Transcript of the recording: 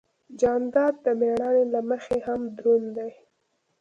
جانداد د مېړانې له مخې هم دروند دی.